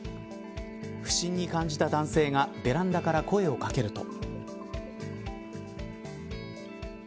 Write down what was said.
不審に感じた男性がベランダから声を掛けると。